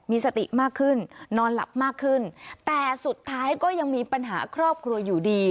มีสติมากขึ้นนอนหลับมากขึ้นแต่สุดท้ายก็ยังมีปัญหาครอบครัวอยู่ดี